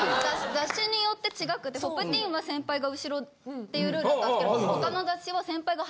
雑誌によって違くて『Ｐｏｐｔｅｅｎ』は先輩が後ろっていうルールだったんですけど。